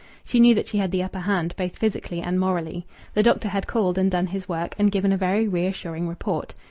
She knew that she had the upper hand, both physically and morally. The doctor had called and done his work, and given a very reassuring report.